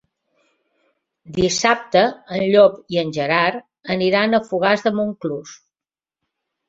Dissabte en Llop i en Gerard aniran a Fogars de Montclús.